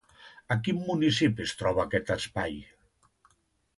A quin municipi es troba, aquest espai?